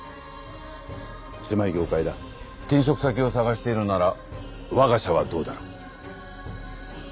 狭い業界だ転職先を探しているなら我が社はどうだろう？